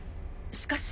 しかし。